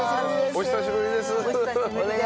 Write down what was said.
お久しぶりです。